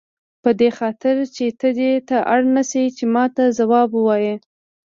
په دې خاطر چې ته دې ته اړ نه شې چې ماته ځواب ووایې.